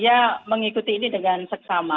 dia mengikuti ini dengan seksama